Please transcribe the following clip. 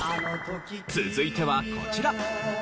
続いてはこちら。